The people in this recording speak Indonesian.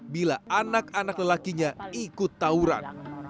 bila anak anak lelakinya ikut tauran